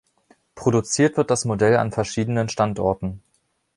Produziert wird das Modell an verschiedenen Standorten.